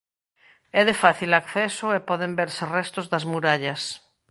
É de fácil acceso e poden verse restos das murallas.